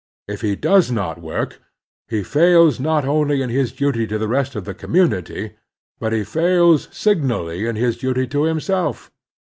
If he does not work, he fails not only in his duty to the rest of the community, but he fails signally in his duty to himself.